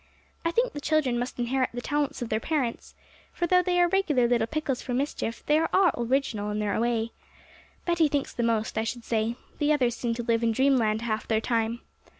I think the children must inherit the talents of their parents, for though they are regular little pickles for mischief, they are all original in their way. Betty thinks the most, I should say, the others seem to live in dreamland half their time.